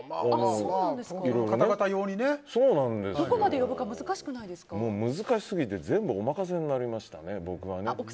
どこまで呼ぶか難しすぎて全部お任せになりましたね。